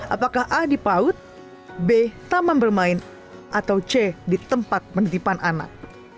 apakah a di paut b taman bermain atau c di tempat menitipan anak